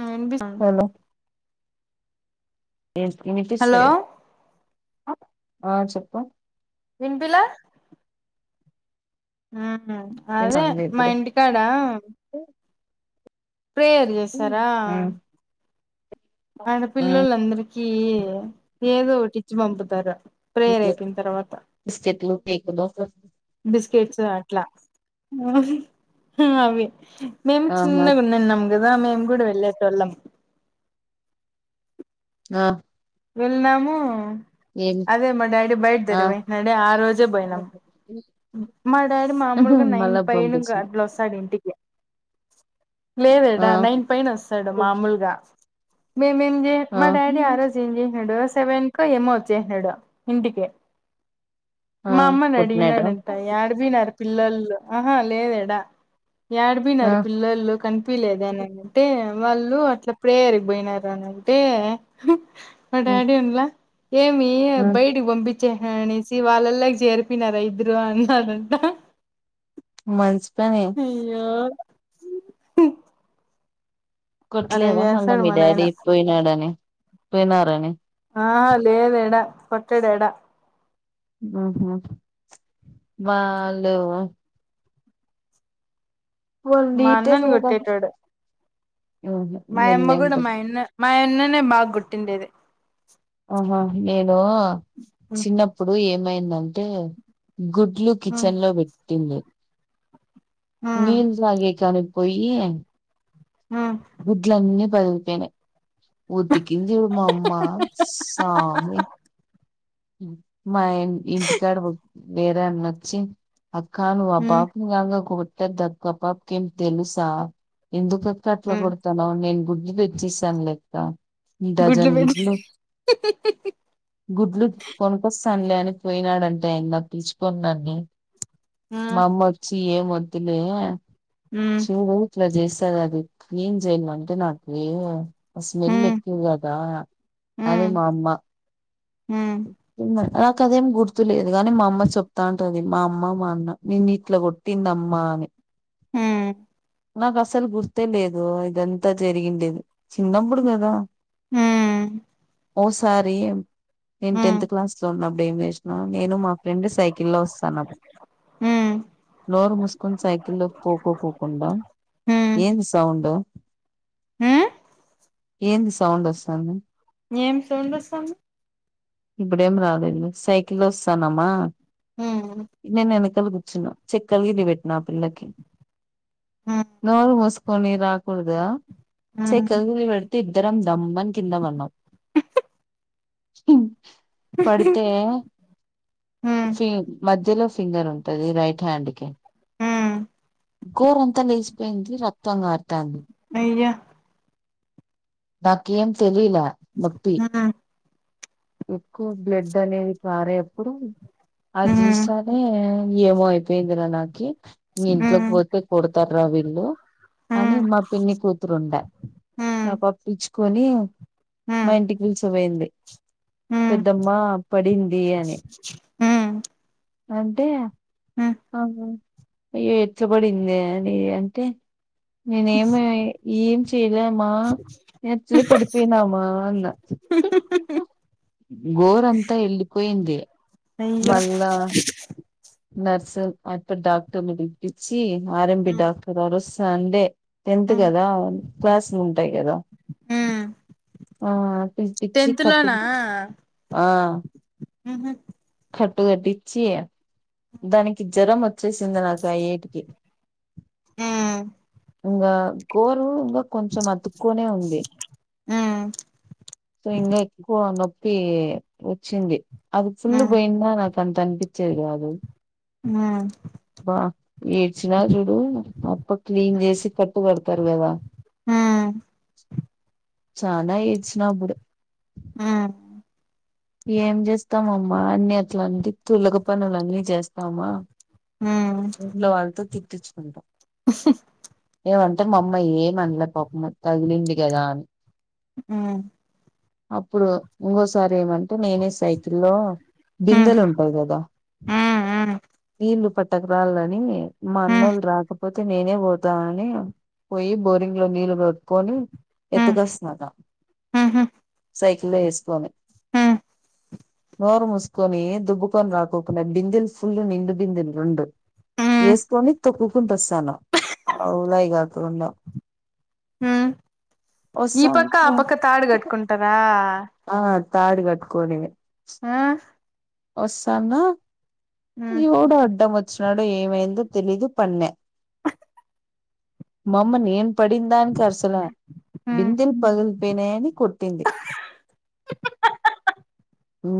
ఆ అనిపిస్తూ హలో ఈ వినిపిస్త లేదు ఆ చెప్పు వినిపియ్యలే హూ అదే వినలే మా ఇప్పుడు ఇంటికాడా ప్రేయర్ చేసారా ఆ ఆ ఆడపిల్లలందరికీ ఏదో ఒటిచ్చి పంపుతారు ప్రేయర్ అయిపోయిన తర్వాత బిస్కెట్లు కేకులు కేక్స్ అట్లా అవి మేము ఆహా చిన్నగా ఉన్నాం నమ్ కదా మేము కూడా వెళ్ళేటోళ్ళం ఆ వెళ్ళాము ఏమి అదే మా డాడీ బయటదర ఆ వెంటడే ఆ రోజే పోయినాం మా డాడీ మామూలుగా నైన్ మళ్ళా పైన పంపించింది అట్ల వస్తాడు ఇంటికి ఆ లేదడా నైన్ పైన వస్తాడు మామూలుగా మే మేము చెయ్ ఆ మా డాడీ ఆరోజు చేసినాడు సెవెన్ కో ఏమో వచ్చేసినాడు ఇంటికి ఆ మా అమ్మని గుడ్ నైట్ ఆ అడిగినాడంట యాడికి పోయినారు పిల్లల్లు అహా లేదు ఏడా ఆ యాడికిపోయినారు పిల్లల్లు కనిపియలేదే అని అంటే వాళ్ళు అట్లప్పుడే ఎరిగిపోయినారు అని అంటే మా డాడీ ఉండలే ఏమి బయటకి పంపి చి అని అనేసి వాళ్ళల్లోకి చేరిపోయినారా ఇద్దరు అన్నారంటా మంచి దనే అలా కోట్లేదా మళ్ళా చేస్తాడు మీ మా నాయన డాడీ పోయినాడని వినరని ఆ లేదు ఏడా కొట్టడు ఏడా ఉహు బాగలేవు వాళ్ళు మా నీటే అన్నని లేదా కొట్టేటోడు ఆహా మాయమ్మ కూడా మిన్నండి మాయన్న మాయన్న నే బాగా కొట్టిండేది ఆహా నేను ఉ చిన్నప్పుడు ఏం ఏమైందంటే గుడ్లు ఉ కిచెన్ లో పెట్టింది ఉ నీళ్లు తాగేకని పొయ్ ఉ గుడ్లన్నీ పగిలిపోయినాయి ఉతికింది మా అమ్మా హ మా ఇంటికాడ వేరె అన్నచ్చి అక్కా నువ్ ఆ ఉ పాప ను కాం కో ద్దక్కా పాపా కి ఏం తెలుస ఎందుకక్ ఉ కట్లా కొడతానవ్ నేన్ గుడ్ తేచ్చిస్థాన్ లే అక్క గుడ్లు పెని స్తాన్లే అని పోయినాడంటే ఎంద తీచుకన్నాన్ని ఉ మా అమ్మ వచ్చి ఏం వద్ లే ఉ చేవు ఇట్లా జేస్ సరె అది ఏం చేయామంటే అంటే నాకు ఏం ఉ ఉ స్మిల్ మకు ఉగాదా ఉ అదే మా అమ్మ ఉ ఉ ఉ తమ నాకదేం గుర్తులేదు కాగాని మా అమ్మ చెప్తా ఉంటది మా అమ్మ మా అన్న నిన్ని ఇట్లా కొట్టింది అమ్మ అని హ నాకు అసలు గుర్స్తే లేదు ఇదంతా జరిగిండేది చిన్నప్పుడు కదా హ ఓ సారి నేను టెన్త్ క్లాస్ లో ఉన్నా డేమ నేను మా ఫ్రెండ్ సైకిల్ల్లో వస్తాను ఉ ఉ నోరు మూసుకుొని సైకిల్ల్లో పోకోకో ఏంది సౌం అంటో హ ఏంది సౌండ్ వస్తుంది ఏం చూండసాము ఇప్పుడేం రాలేదు సైకిల్ వస్తానమ్మా హ లు గుచ్చిన చెక్ కలిగిదిబెట్నా పిల్లకి ఉ న మస్క కొనిరు రాకూడదా ఉ సెకం గు పడితు తద్దరం దమ్మన్ కింద వన్నాం స్ం పడితే ఉ ఫ మధ్యలో ఫింగర్ ఉంటది రైట్ హ్యాండ్ కి హ కూర అంతా లేచపోయింది రక్తంగారి అయయా నాక ఏం తె తెలీలా భక్తి ఉ ఎక్కువ బ్లడ్ అనేది పారేప్పుడు ఉ అదిసాే ఏమో అయిపోయిందిరా నాకు ఓకే న ఇంట్లోకి పోతే కొడత తర వీళ్ళు ఉ ఆమె మా పిన్ని కూతురుండే ఉ ఉ ఆ పప్పించి కొని హ్మ్ మా ఇంటికి పిల్సకా పోయింది. హ్మ్ పెద్దమ్మ పడింది. అని హ్మ్ అంటే హ్మ్ ఎట్లా బడిందే. అని అంటే నేను ఏమైయ్ ఈడచ్ చేదామా ఎట్లే పడిపోయినామ్మా అన్న గోర అంతా వెళ్ళిపోయింది. అయ్యో మళ్ళా నర్స్ అ డాక్టర్ పిలిపించి ఆర్ఎంబి హ్మ్ డాక్టర్ గారు స్ సండే టెన్త్ హ్మ్ కదా క్లాస్లులు ఉంటాయి. కదా హ్మ్ ఆ టెన్త్ లోనా ఊహూ కటిచ్చి దానికి జ్వరం వచ్చేసింది నాకు అ ఏటికి ఆ ఇంగ గోరు ఇంకా కొంచెం అతుకోనే ఉంది. హ్మ్ ఇంగా ఎక్కువ నొప్ వచ్చింది. అది ఫుల్ హ్మ్ పోయిందా అ అంత అనిపించేద్ కాదు ఆ ఏడ్చిన చుడు అప్పుడు క్లీన్ చేసి కట్టు కంటారు. కదా ఆ చానా ఏడ్చినా అప్పుడు ఆ ఏం చేస్తామమ్మా అన్నిట్ల తులగ పనులన్నీ చేస్తామా ఇంట్లో అంతా తూ [unintelligible] ఉహ్ ఉహు ఏమంటే మా అమ్మ ఏమనలే పాపం తగిలింది. కదా అని ఆ అప్పుడు ఇంకోసారి ఏమ నేనే సైకిల్ల్లో బిందెలు ఉంటాయి గదా హ్మ్ నీళ్లు ప త్తకరాళ్ళని మా హ్మ్ హ్మ్ అన్నోళ్ళు రాకపోతే నేనే బోతా అని పోయి బోరింగ్ లో నీళ్లు ఉట్కోని హ్మ్ ఎత్తకస్తన్న ఊహూ సైకిల్లో ఏసు సమ హ్మ్ నోరు మూసుకొని దుబ్బకొని రాకకుడా బిందెలు ఫుల్ నిండు బిందెలు రెండు హ్మ్ వేసుకొని తొక్కుకుంట వస్తానులాయి కా రండ హ్మ్ ఈ పక్క ఆ పక్క తాడు కట్టుకుంటారా తాదుగట్ కోలివే ఆ వోస్సన్న హ్మ్ ఎవుడో అడ్డమో వచ్చినడో ఏమైందో తెలీదు పన్న మమ్మ నేను పడిందానికి అరసలే హ్మ్ బిందెలు పగిలిపోయినాయని కొట్టింది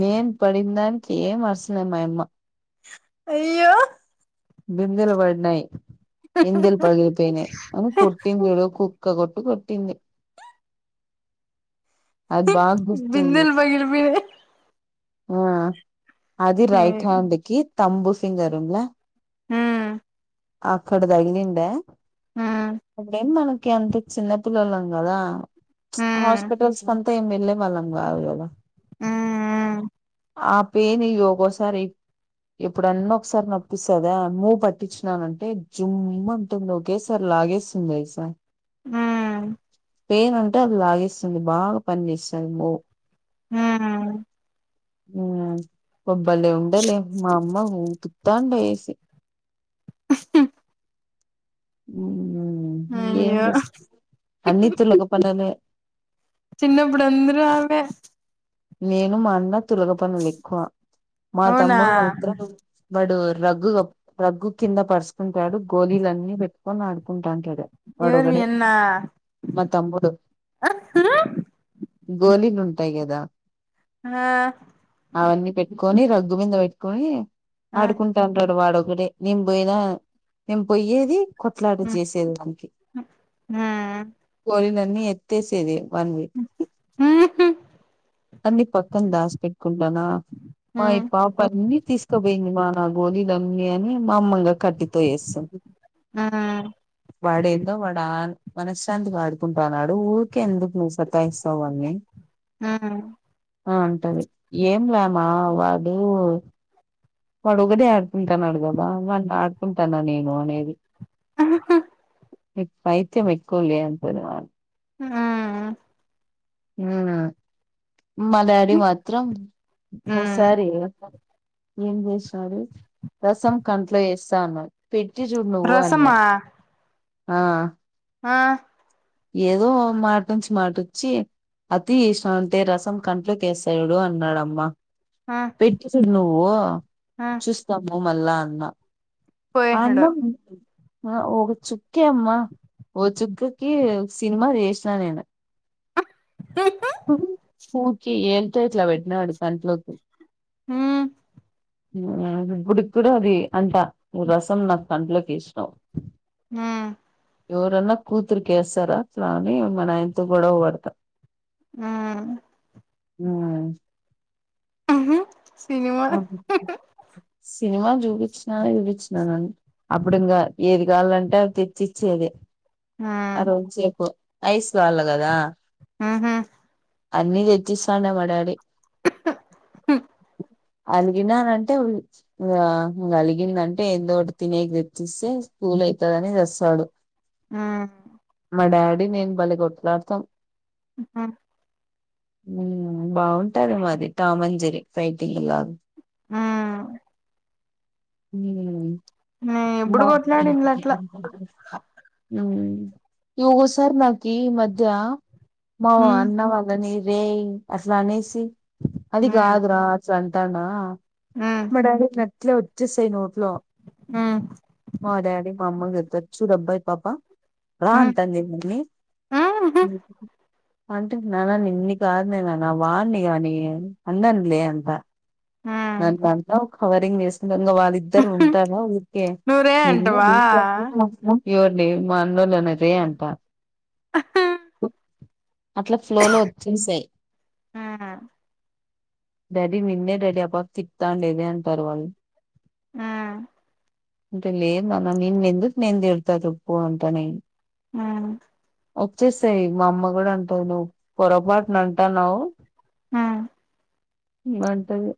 నేన్ పడిన దానికి ఏం అరసలే మాయమ్మ అయ్యో బిందులు పడిన్నాయి బిందెల్ పగిలిపోయినయ్ అని కొట్టిందో ఒక్క కొట్టు కొట్టింది అది బాగా గుర్తుంది బిందెలు పగిలిపోయాయి ఆ అది రైట్ హ్యాండ్ కి తంబు ఫీగర్ ఉండ్ల హ్మ్ ఆక్కడ దగిలిండే హ్మ్ ఇపుడు ఎం మన అంత చిన్నపిల్లలం గదా హ్మ్ హ్మ్ హాస్పిటల్స్ కంతా ఏం వెళ్ళే వాళ్ళం కాదు కదా ఉ ఆ పెయిన్ ఇ ఒగోసారి ఎప్పుడన్నా ఒకసారి నొప్పిస్తదా మూ పట్టించినానంటే జుమ్ అంటుంది ఒగేసారి లాగేస్తుందియిసార్ ఉ పెయిన్ అంటే అది లాగేస్తుంది బాగా పని చేస్తుంది మో ఉ ఉ బ్బ బలే ఉండలే మా అమ్మఊ దండేసి [unintelligible] ఉ ఏం అయ్యో చేస్తావ్ అన్ని తులగ పనులే చిన్నప్పుడు అందరు ఆవే నేను మా అన్న తులగ పనులు ఎక్కువ మా అవునా తమ్ముడు మాత్రం బడు రగ్గు రగ్గు కింద పరుచుకుంటాడు గోలీలన్నీ పెట్టుకొని ఆడుకుంటాడు అంటద వాడు ఎవరివి ఒకడే అన్న మ తమ్ముడు గోలీ ను ఉంట అంతే కదా ఆ అవన్నీ పెట్టుకొని రగ్గు కింద పెట్ పెట్టుకొన్ని ఆ ఆడుకుంటా ఉంటాడు వాడు ఒకడే నింపోయినా నిం పోయ్యేది కొట్లాట ఉమ్ చేసే దానికి ఉమ్ కోరిన అన్ని ఏతేసేది ఉహు అన్ని పక్కన దాసి పెట్టుకుంటానా మా ఈ పాప అన్ని తీసుకోపోయింది మా నాకు గోలీలన్న అని మా అమ్మగా కట్టితో వేస్తుంది ఆ వాడేదో వాడు మనశ్శాంతిగా ఆడుకుంటాన్నాడు ఊరికే ఎందుకు నువ్వు సతాయిస్తావని ఉహు ఆ అంటది ఏం లేమా వాడు వాడు ఒకడే ఆడుకుంటాన్నాడు కదా వాడిని ఆడుకుంటాను నేను అనేది ఆ పైత్యం ఎక్కువ లే అ ఆ అ మా డాడీ మాత్రం ఉమ్ సార ఏం చేసారు రసం కంట్లో వ చన పెటి చున్నువు అన్న రసమా ఆ ఆ ఏదో మాటంచి మాటచ్చి అతి ఇష్టం అంటే రసం కంట్లోక వేస్తాడు అన్నాడమ్మా ఆ పెట్ట చెడు పఓ ఆ చుస్తాము అమలా అన్నా అన్న పోయేసినాడు హ ఒక చుక్కే అమ్మా ఓ చుక్కకి కి సినిమా చేసినా నేను ఉ ఊకే ఏం తే ఇట్లా పెట్టినాడు కంట్లోకి ఊ ఊ ఇప్పుడికి కూడా అది అంటా రసం నాకు కంట్లోకి వేశీనావ్ ఊ ఎవరన్నా కూతురు కేస్సార అని మానాయనతో గొడవపడ్తా ఆ ఊ ఉహు సినిమా అ సినిమా చూపించిన చూపిించ నా అప్పుడు ఇంకా ఏది కావాలంటే అవి తెచ్చిచ్చేది. ఆ ఉమ్ రొంచేపు ఐస్ కాళ్ళ కదా ఆహా అన్నీ తెచ్చిస్తాండే మా డాడీ అలిగినానంటే ఇంగ అలిగిందంటే ఏందో ఒకటి తినేక తెచ్చిస్తే కూల్ అయితదని తెస్తాడు. ఆ మా డాడీ నేను భలే కొట్లాడతాం. ఆహ ఊ బాగుంటది మాది టాంమంజరి ఫైటింగ్ లాగా ఉమ్ [inaudible] నే ఎప్పుడు మా కొట్లాడిండ్లు [unintelligible] అట్లా ఊ ఈఓగో సార్ నాకిమధ్య ఉమ్ మావఅన్నవళ్ళని రేయ్ అసలు అనేసి ఉమ్ అదిగాదురా ఆచన్ వత్తానా ఉమ్ మా డాడీ ఇట్ల ఇట్లే వచ్చిసేయ్ నోట్లో ఉమ్ మా డాడీ మా అమ్మకి చెప్పచ్చు రబ్ పాపా రాా ఉమ్ అంటాన్ది నే నన్నీ ఉహు ఊహు అంటున్నాన నిన్ని కాదులే నాన్న వాన్ని కాని అననులే అంట ఉమ్ నన్నంటవ్ కవరింగ్ చేస్తవ్ ఇంగవాళ్ళిద్దరు ఉంటారా ఊరికే నువ్వు రే ఏ అంటవా [unintelligible] ఎవర్ని మాన్. [unintelligible] ఉమ్ అంత. అట్లా ఫ్లోలో వొచ్చేసాయి. ఉమ్ డాడీ నిన్నే డాడీ అప్. ఓ తిట్టండేనే అంటారు వాళ్ళు. ఆ. అంటే లేద్ నాన్న, నిన్నెందుకు నేన్ తిడతా చేప్పు ఆంతోనీ. ఆ. వచ్చేసాయి మా అమ్మ కూడా అంతేనవ్, పొరపాటునా అంటాన్నావ్. ఆ. మంటలు.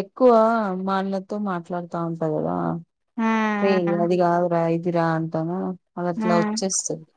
ఎక్కువ మా అన్నతో, మాట్లాడుతా ఉంటా కదా. రేయ్ ఉమ్ అదిగదురా, ఇద్. కిరా అంటానా. అదట్లా ఉమ్ ఓచ్చేస్తుంద్.